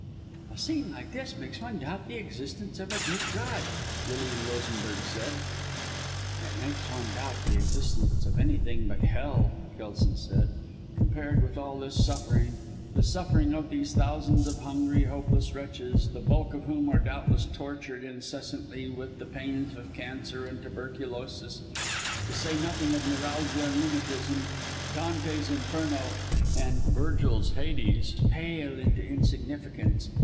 "A scene like this makes one doubt the existence of a good God," Lilian Rosenberg said. "It makes one doubt the existence of anything but Hell," Kelson said. "Compared with all this suffering the suffering of these thousands of hungry, hopeless wretches the bulk of whom are doubtless tortured incessantly, with the pains of cancer and tuberculosis, to say nothing of neuralgia and rheumatism Dante's Inferno and Virgil's Hades pale into insignificance.